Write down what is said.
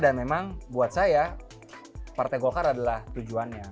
dan memang buat saya partai golkar adalah tujuannya